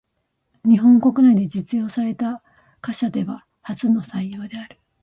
日本国内で実用された貨車では初の採用である。